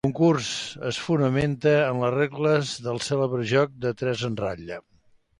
El concurs es fonamenta en les regles del cèlebre joc de tres en ratlla.